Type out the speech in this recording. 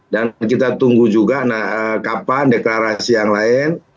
dan kita tunggu juga kapan deklarasi yang lain